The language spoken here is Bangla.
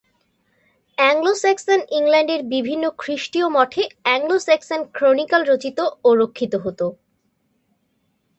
অ্যাংলো-স্যাক্সন ইংল্যান্ডের বিভিন্ন খ্রিস্টীয় মঠে "অ্যাংলো-স্যাক্সন ক্রনিকল" রচিত ও রক্ষিত হত।